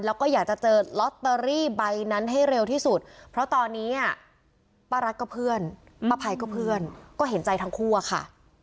แล้วก็อยากจะเจอลอตเตอรี่ใบนั้นให้เร็วที่สุดเพราะตอนนี้อ่ะป้ารักก็เพื่อนป้าภัยก็เพื่อนก็เห็นใจทั้งคู่อะค่ะ